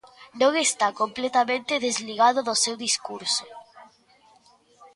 Non, está completamente desligado do seu discurso.